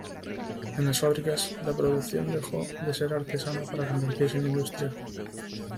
En las fábricas la producción dejó de ser artesana para convertirse en industrial.